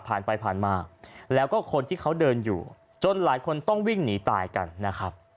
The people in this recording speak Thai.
ผ่านไปผ่านมาแล้วก็คนที่เขาเดินอยู่จนหลายคนต้องวิ่งหนีตายกันนะครับ